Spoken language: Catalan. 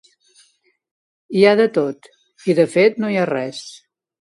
Hi ha de tot, i de fet, no hi ha res.